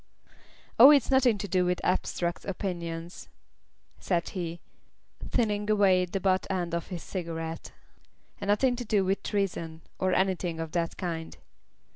"Oh, it's nothing to do with abstract opinions," said he, thinning away the butt end of his cigarette. "And nothing to do with treason, or anything of that kind.